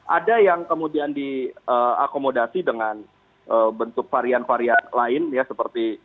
ada yang kemudian diakomodasi dengan bentuk varian varian lain ya seperti